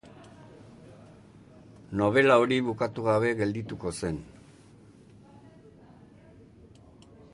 Nobela hori bukatu gabe geldituko zen.